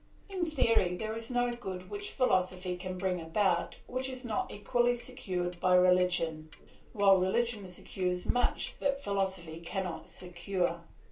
In theory, there is no good which philosophy can bring about which is not equally secured by religion, while religion secures much that philosophy cannot secure.